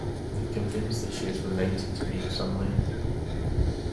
I'm convinced that she is related to me in some way.